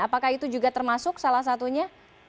apakah itu juga termasuk salah satunya